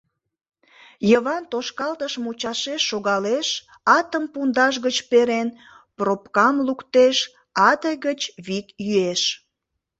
Йыван тошкалтыш мучашеш шогалеш, атым пундаш гыч перен, пробкам луктеш, ате гыч вик йӱэш.